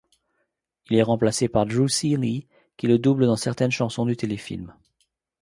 Il est remplacé par Drew Seeley qui le double dans certaines chansons du téléfilm.